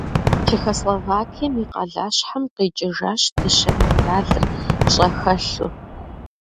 Чехословакием и къалащхьэм къикӀыжащ дыщэ медалыр пщӀэхэлъу.